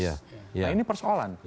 nah ini persoalan